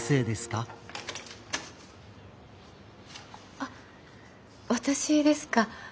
あ私ですか。